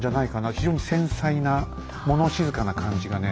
非常に繊細な物静かな感じがね